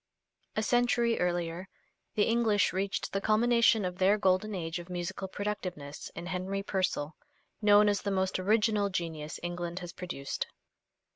A century earlier the English reached the culmination of their Golden Age of musical productiveness in Henry Purcell, known as the most original genius England has produced.